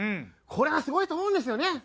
これはすごいと思うんですよね。